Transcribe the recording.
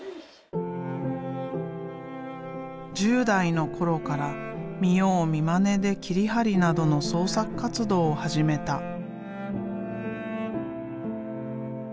１０代の頃から見よう見まねで切り貼りなどの創作活動を始めた。